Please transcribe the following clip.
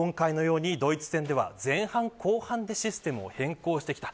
ドイツ戦では前半後半でシステムを変更してきた。